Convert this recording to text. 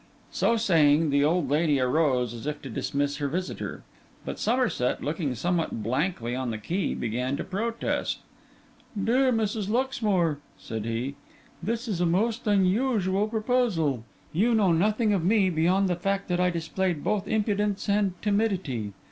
So saying, the old lady arose, as if to dismiss her visitor; but Somerset, looking somewhat blankly on the key, began to protest. 'Dear Mrs. Luxmore,' said he, 'this is a most unusual proposal. You know nothing of me, beyond the fact that I displayed both impudence and timidity.